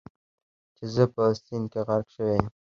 چې زه په سیند کې غرق شوی یم.